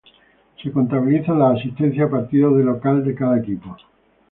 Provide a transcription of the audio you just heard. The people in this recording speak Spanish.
Se contabilizan las asistencias a partidos de local de cada equipo.